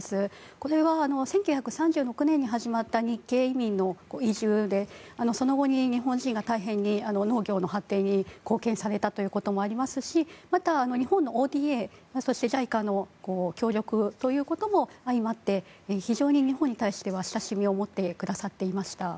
これは１９３６年に始まった日系移民の移住でその後、日本人が大変に農業の発展に貢献されたということもありますしまた、日本のＯＤＡそしてＪＩＣＡの協力も相まって非常に日本に対しては、親しみを持ってくださっていました。